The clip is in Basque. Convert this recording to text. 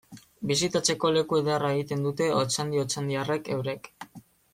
Bisitatzeko leku ederra egiten dute Otxandio otxandiarrek eurek.